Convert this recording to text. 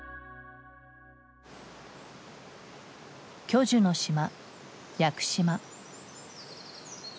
巨樹の島屋久島。